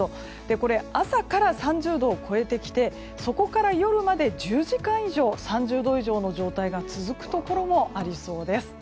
これ、朝から３０度を超えてきてそこから夜まで１０時間以上３０度以上の状態が続くところもありそうです。